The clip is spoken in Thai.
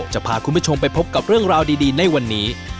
จะพาคุณผู้ชมไปพบกับเรื่องราวดีในวันนี้